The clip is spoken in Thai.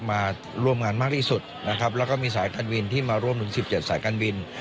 มาร่วมงานมากที่สุดนะครับแล้วก็มีสายการบินที่มาร่วมถึง๑๗สายการบิน